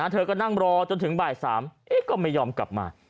เธอก็นั่งรอจนถึงบ่าย๓ก็ไม่ยอมกลับมา